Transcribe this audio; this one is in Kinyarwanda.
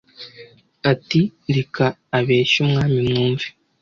Ati: "Reka abeshye Umwami mwumve!